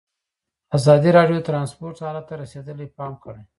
ازادي راډیو د ترانسپورټ حالت ته رسېدلي پام کړی.